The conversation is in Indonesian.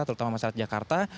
terutama masyarakat jakarta